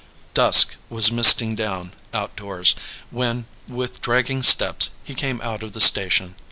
Dusk was misting down, outdoors, when with dragging steps he came out of the station.